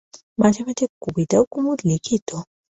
মাঝে মাঝে কবিতাও কুমুদ লিখিত।